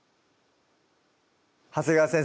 長谷川先生